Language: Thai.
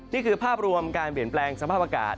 นี่คือภาพรวมการเปลี่ยนแปลงสภาพอากาศ